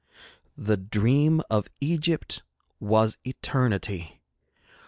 The Dream of Egypt was Eternity.